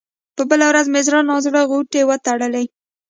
په بله ورځ مې زړه نا زړه غوټې وتړلې.